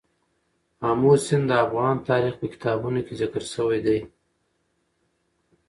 آمو سیند د افغان تاریخ په کتابونو کې ذکر شوی دی.